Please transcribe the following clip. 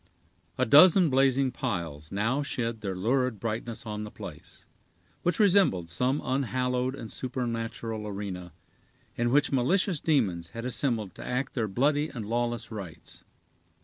A dozen blazing piles now shed their lurid brightness on the place, which resembled some unhallowed and supernatural arena, in which malicious demons had assembled to act their bloody and lawless rites.